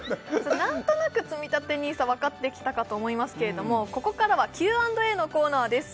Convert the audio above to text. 何となくつみたてＮＩＳＡ分かってきたかと思いますけれどもここからはＱ＆Ａのコーナーです